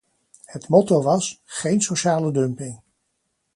Het motto was "geen sociale dumping".